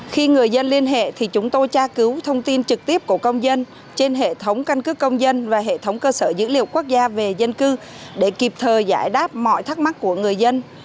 khi người dân liên hệ thì chúng tôi tra cứu thông tin trực tiếp của công dân trên hệ thống căn cứ công dân và hệ thống cơ sở dữ liệu quốc gia về dân cư để kịp thời giải đáp mọi thắc mắc của người dân